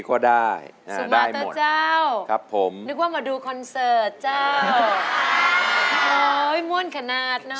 โอ้ยม่วนขนาดเนอะ